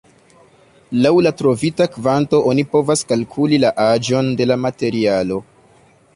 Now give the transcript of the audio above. Laŭ la trovita kvanto oni povas kalkuli la aĝon de la materialo.